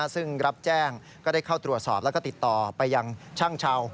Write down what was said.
ซึ่งรับแจ้งก็ได้เข้าตรวจสอบแล้วก็ติดต่อไปยังช่างชาว